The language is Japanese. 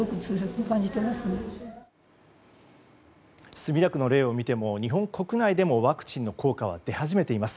墨田区の例を見ても日本国内でもワクチンの効果は出始めています。